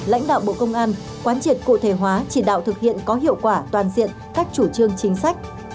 lãnh đạo bộ công an quán triệt cụ thể hóa chỉ đạo thực hiện có hiệu quả toàn diện các chủ trương chính sách